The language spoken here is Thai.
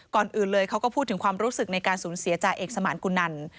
ก่อนอื่นเลยเขาก็พูดถึงความรู้สึกในการสูญเสียจ่าเอกสมานกุนัน